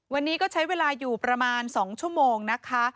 วันนี้ก็ใช้เวลาอยู่ประมาณ๒ชั่วโมงนะคะ